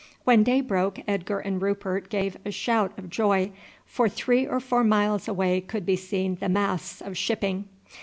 When day broke Edgar and Rupert gave a shout of joy, for three or four miles away could be seen the masts of shipping.